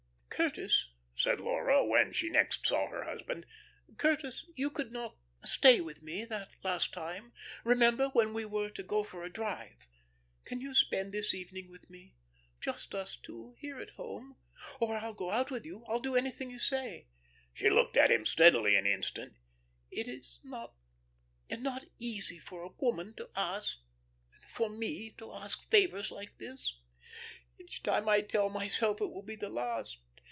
"Curtis," said Laura, when next she saw her husband, "Curtis, you could not stay with me, that last time. Remember? When we were to go for a drive. Can you spend this evening with me? Just us two, here at home or I'll go out with you. I'll do anything you say." She looked at him steadily an instant. "It is not not easy for a woman to ask for me to ask favours like this. Each time I tell myself it will be the last.